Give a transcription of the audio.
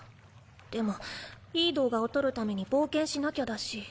でもいい動画を撮るために冒険しなきゃだし。